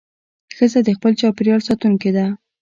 ښځه د خپل چاپېریال ساتونکې ده.